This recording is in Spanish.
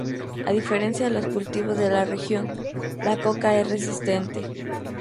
A diferencia de los cultivos de la región, la coca es resistente.